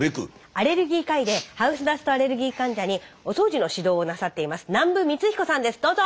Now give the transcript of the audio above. アレルギー科医でハウスダストアレルギー患者にお掃除の指導をなさっています南部光彦さんですどうぞ！